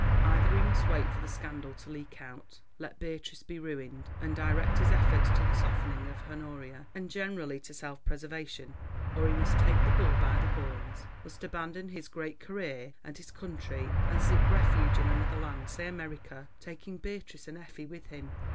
Either he must wait for the scandal to leak out, let Beatrice be ruined, and direct his efforts to the softening of Honoria, and generally to self preservation, or he must take the bull by the horns, must abandon his great career and his country and seek refuge in another land, say America, taking Beatrice and Effie with him.